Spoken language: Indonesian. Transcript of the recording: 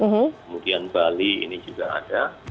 kemudian bali ini juga ada